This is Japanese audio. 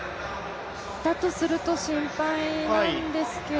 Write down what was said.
だとすると心配なんですけど。